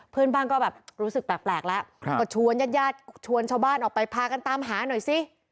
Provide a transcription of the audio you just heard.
เพื่อนบ้านก็แบบรู้สึกแปลกแล้วก็ชวนญาติญาติชวนชาวบ้านออกไปพากันตามหาหน่อยสิ